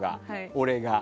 俺が。